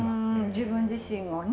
自分自身をね。